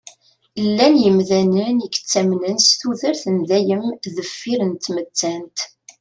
Llan yemdanen i yettamnen s tudert n dayem deffir n tmettant.